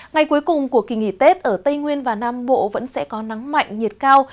ngày cuối cùng của kỳ nghỉ tết ở tây nguyên và nam bộ vẫn sẽ có nắng mạnh nhiệt cao